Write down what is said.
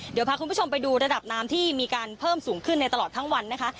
เดี๋ยวพาคุณผู้ชมไปดูระดับน้ำที่มีการเพิ่มสูงขึ้นในตลอดทั้งวันนะคะ